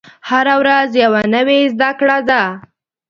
هره ورځ یوه نوې زده کړه ده.